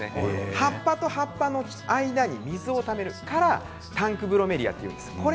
葉っぱと葉っぱの間に水をためるからタンクブロメリアというんです。